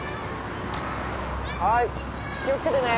はい気を付けてね。